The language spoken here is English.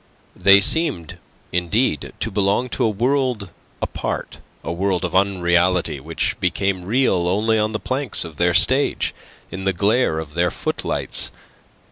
They seemed, indeed, to belong to a world apart, a world of unreality which became real only on the planks of their stage, in the glare of their footlights.